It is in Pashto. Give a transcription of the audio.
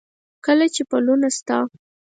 کله چې پلونه ستا،